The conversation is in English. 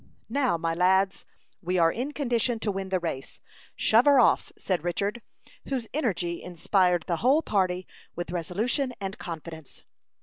"Now, my lads, we are in condition to win the race. Shove her off," said Richard, whose energy inspired the whole party with resolution and confidence.